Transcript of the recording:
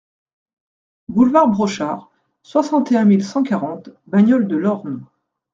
Boulevard Brochard, soixante et un mille cent quarante Bagnoles-de-l'Orne